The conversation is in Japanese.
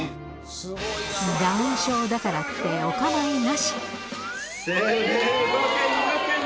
ダウン症だからって、お構いなし。